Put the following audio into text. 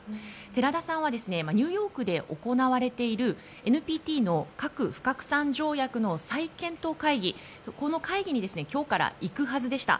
寺田さんはニューヨークで行われているＮＰＴの核不拡散条約の再検討会議に今日から行くはずでした。